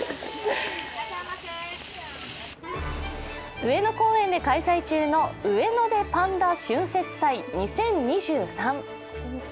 上野公園で開催中のウエノデ．パンダ春節祭２０２３。